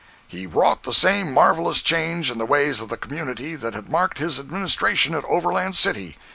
He wrought the same marvelous change in the ways of the community that had marked his administration at Overland City.